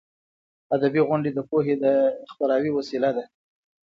ادبي غونډې د پوهې د خپراوي وسیله ده.